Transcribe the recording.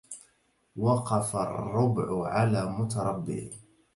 وقف الربع على مرتبع